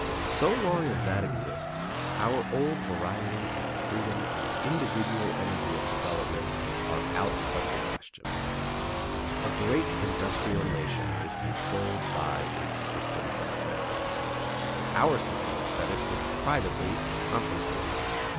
So long as that exists, our old variety and freedom and individual energy of development are out of the question. A great industrial nation is controlled by its system of credit. Our system of credit is privately concentrated.